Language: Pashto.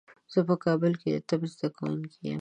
زه په کابل کې د طب زده کوونکی یم.